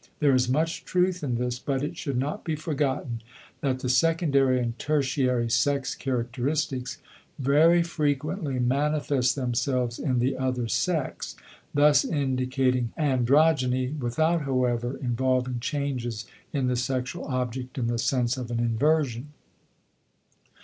There is much truth in this but it should not be forgotten that the secondary and tertiary sex characteristics very frequently manifest themselves in the other sex, thus indicating androgyny without, however, involving changes in the sexual object in the sense of an inversion.